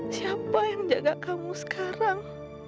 siapa yang jaga kamu sekarang